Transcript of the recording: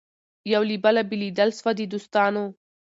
یو له بله بېلېدل سوه د دوستانو